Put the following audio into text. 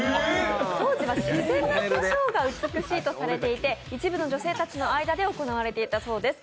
当時は自然な化粧が美しいとされており一部の女性たちの間で行われていたそうです。